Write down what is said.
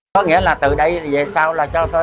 có nghĩa là từ đây về sau là cho thôi